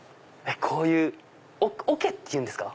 こういう桶っていうんですか？